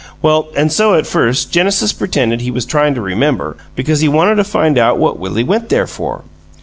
Well, an' so at first Genesis pretended he was tryin' to remember, because he wanted to find out what Willie went there for.